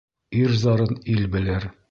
Ир зарын ил белер.